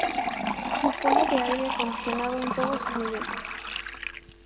Dispone de aire acondicionado en todos sus niveles.